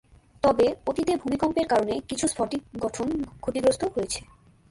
তবে, অতীতে ভূমিকম্পের কারণে কিছু স্ফটিক গঠন ক্ষতিগ্রস্ত হয়েছে।